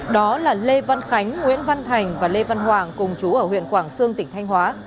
đó là lê văn khánh nguyễn văn thành và lê văn hoàng cùng chú ở huyện quảng sương tỉnh thanh hóa